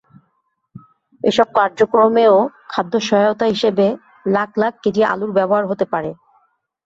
এসব কার্যক্রমেও খাদ্যসহায়তা হিসেবে লাখ লাখ কেজি আলুর ব্যবহার হতে পারে।